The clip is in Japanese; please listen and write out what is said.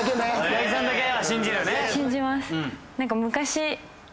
八木さんだけは信じるよね。